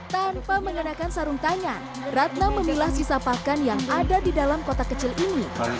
tanpa mengenakan sarung tangan ratna memilah sisa pakan yang ada di dalam kotak kecil ini